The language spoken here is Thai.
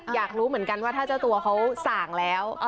อยากรู้เหมือนกันว่าถ้าเจ้าตัวเขาสั่งแล้ว